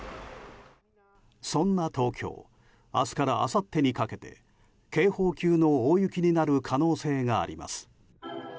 そんな東京明日からあさってにかけて警報級の大雪になる恐れがあります。